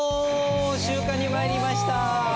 集荷に参りました。